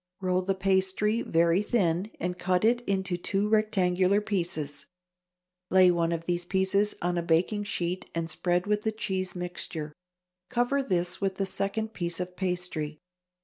Roll the pastry very thin and cut it into two rectangular pieces; lay one of these on a baking sheet and spread with the cheese mixture; cover this with the second piece of pastry.